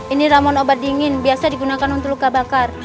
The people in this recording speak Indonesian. ini ramon obat dingin biasa digunakan untuk luka bakar